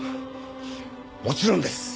もちろんです。